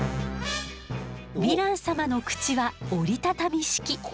ヴィラン様の口は折り畳み式。